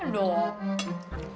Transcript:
gue di belong fas mito